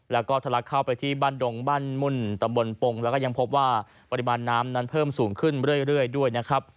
แล้วก็ทะลักเข้าไปที่บ้านดงบ้านมุ่นตำบลปงแล้วก็ยังพบว่าปริมาณน้ำนั้นเพิ่มสูงขึ้นเรื่อยด้วยนะครับ